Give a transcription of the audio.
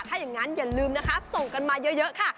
ถ้าอย่างนั้นอย่าลืมนะคะส่งกันมาเยอะค่ะ